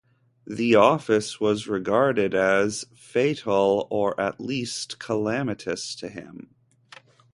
The office was regarded as fatal, or at least calamitous to him.